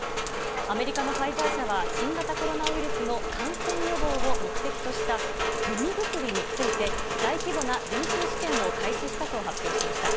アメリカのファイザー社は新型コロナウイルスの感染予防を目的とした飲み薬について、大規模な臨床試験を開始したと発表しました。